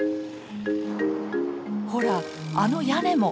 ほらあの屋根も。